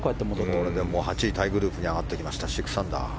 これで８位タイグループに上がってきました、６アンダー。